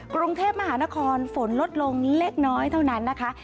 กรุงเทพมหานครฝนลดลงเล็กน้อยเท่านั้นนะคะ